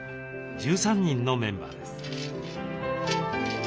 １３人のメンバーです。